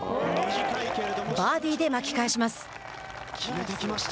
バーディーで巻き返します。